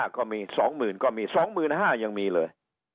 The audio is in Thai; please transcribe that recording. ๑๕๐๐๐ก็มี๒๐๐๐๐ก็มี๒๕๐๐๐บาทยังมีเลย